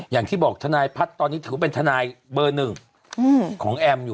อย่างที่บอกทนายพัฒน์ตอนนี้ถือว่าเป็นทนายเบอร์หนึ่งของแอมอยู่